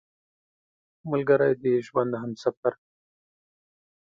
ملګری د ژوند همسفر دی